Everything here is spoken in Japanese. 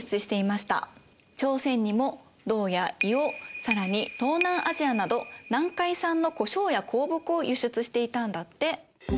朝鮮にも銅や硫黄更に東南アジアなど南海産の胡椒や香木を輸出していたんだって。